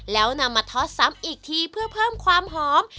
แล้วนำมาทอดซ้ำอีกทีเพื่อเพิ่มความหอม